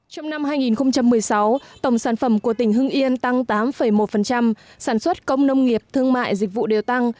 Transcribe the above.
trong năm hai nghìn một mươi sáu tổng sản phẩm của tỉnh hưng yên tăng tám một sản xuất công nông nghiệp thương mại dịch vụ đều tăng